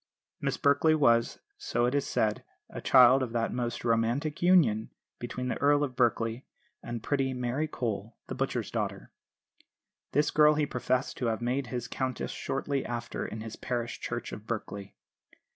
Miss Berkeley was, so it is said, a child of that most romantic union between the Earl of Berkeley and pretty Mary Cole, the butcher's daughter. This girl he professed to have made his countess shortly after in the parish church of Berkeley.